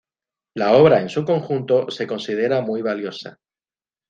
La obra en su conjunto se considera muy valiosa.